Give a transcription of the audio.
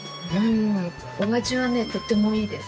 お味はねとってもいいです。